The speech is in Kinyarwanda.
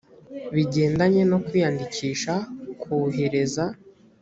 bigendanye no kwiyandikisha kohereza